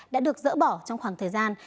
đã được dỡ bỏ trong khoảng thời gian